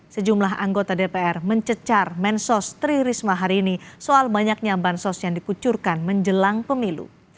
sejumlah anggota dpr mencecar mensos tri risma hari ini soal banyaknya bansos yang dikucurkan menjelang pemilu